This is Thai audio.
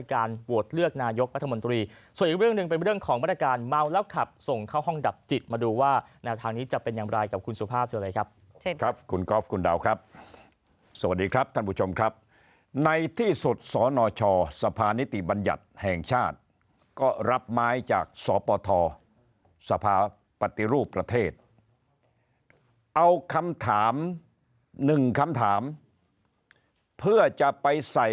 การโหวตเลือกนายกปัจธมนตรีส่วนอีกเรื่องหนึ่งเป็นเรื่องของปราศนาคารเมาแล้วขับส่งเข้าห้องดับจิตมาดูว่าทางนี้จะเป็นยังไรกับคุณสุภาพเช่นอะไรครับครับคุณก๊อฟคุณดาวครับสวัสดีครับท่านผู้ชมครับในที่สุดสนชสภานิติบัญญัติแห่งชาติก็รับไม้จากสปธสภาพปฏิรูป